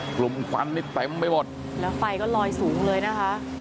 ควันนี่เต็มไปหมดแล้วไฟก็ลอยสูงเลยนะคะ